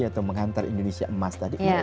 atau menghantar indonesia emas